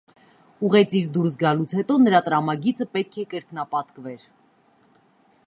Ուղեծիր դուրս գալուց հետո նրա տրամագիծը պետք է կրկնապատկվեր։